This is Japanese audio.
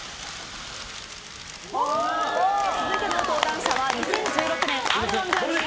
続いての登壇者は２０１６年「Ｒ‐１ぐらんぷり」